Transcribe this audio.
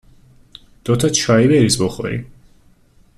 دو تا چایی بریز بخوریم